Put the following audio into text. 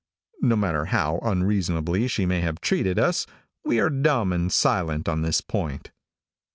No matter how unreasonably she may have treated us, we are dumb and silent on this point.